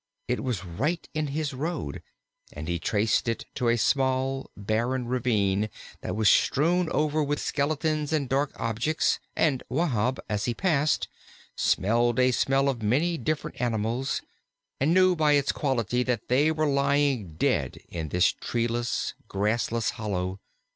It was right in his road, and he traced it to a small, barren ravine that was strewn over with skeletons and dark objects, and Wahb, as he passed, smelled a smell of many different animals, and knew by its quality that they were lying dead in this treeless, grassless hollow.